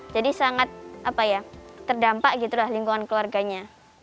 jadi sangat terdampak gitu lah lingkungan keluarganya